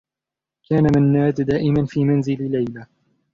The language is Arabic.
كان منّاد دائما في منزل ليلى.